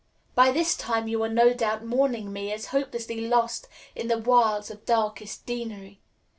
By this time you are no doubt mourning me as hopelessly lost in the wilds of darkest Deanery.